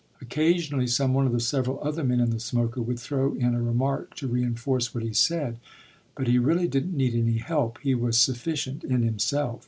Occasionally some one of the several other men in the "smoker" would throw in a remark to reinforce what he said, but he really didn't need any help; he was sufficient in himself.